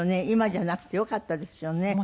今じゃなくてよかったですよね。